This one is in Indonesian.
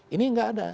ini tidak ada